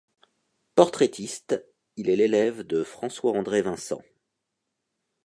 Portraitiste, il est l'élève de François-André Vincent.